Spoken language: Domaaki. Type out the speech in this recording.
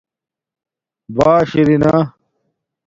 بݳݽ ارنݳ